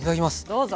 どうぞ。